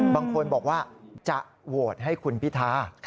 บางคนบอกว่าจะโหวตให้คุณพิธา